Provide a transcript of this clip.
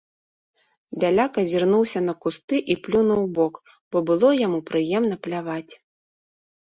Бяляк азірнуўся на кусты і плюнуў убок, бо было яму прыемна пляваць.